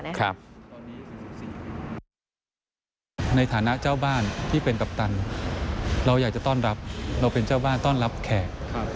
ในฐานะเจ้าบ้านที่เป็นกัปตันเราอยากจะต้อนรับเราเป็นเจ้าบ้านต้อนรับแขก